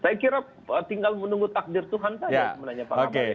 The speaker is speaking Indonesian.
saya kira tinggal menunggu takdir tuhan saja menanya pak ngabalin ini